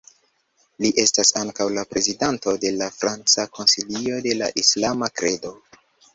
Li estas ankaŭ la prezidanto de la Franca Konsilio de la Islama Kredo.